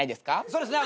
そうですね。